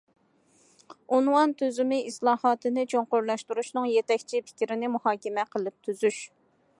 ئۇنۋان تۈزۈمى ئىسلاھاتىنى چوڭقۇرلاشتۇرۇشنىڭ يېتەكچى پىكرىنى مۇھاكىمە قىلىپ تۈزۈش.